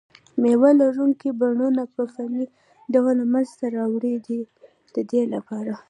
مېوه لرونکي بڼونه په فني ډول منځته راوړي دي د دې لپاره.